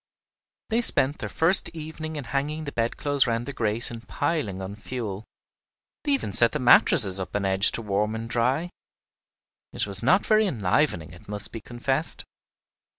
They spent their first evening in hanging the bedclothes round the grate and piling on fuel; they even set the mattresses up on edge to warm and dry! It was not very enlivening, it must be confessed.